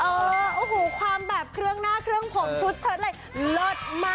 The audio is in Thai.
เออความแบบเครื่องหน้าเครื่องผมชุดเชิดเลย